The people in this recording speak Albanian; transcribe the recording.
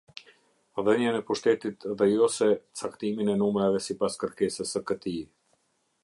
Dhënien e pushtetit dhe Jose caktimin e numrave sipas kërkesës së këtij.